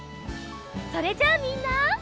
それじゃあみんな。